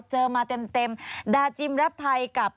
เจอมาเต็มดาจิมรับไทยกับ